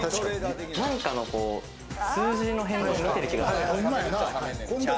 何かの数字を見てる気がする。